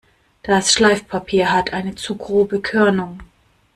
Das Schleifpapier hat eine zu grobe Körnung.